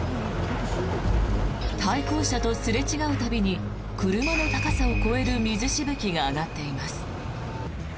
対向車とすれ違う度に車の高さを超える水しぶきが上がっています。